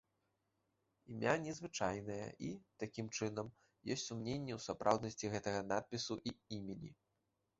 Імя незвычайнае і, такім чынам, ёсць сумненне ў сапраўднасці гэтага надпісу і імені.